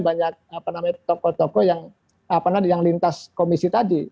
banyak apa namanya tokoh tokoh yang lintas komisi tadi